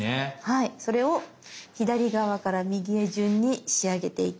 それを左側から右へ順に仕上げていきます。